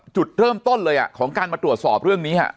จุดเริ่มต้นเลยของการมาตรวจสอบเรื่องนี้